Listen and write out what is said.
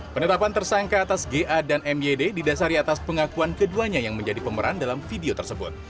penetapan tersangka atas ga dan myd didasari atas pengakuan keduanya yang menjadi pemeran dalam video tersebut